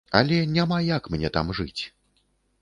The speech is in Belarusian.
Але няма як мне там жыць.